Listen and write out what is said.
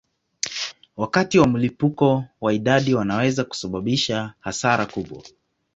Wakati wa mlipuko wa idadi wanaweza kusababisha hasara kubwa.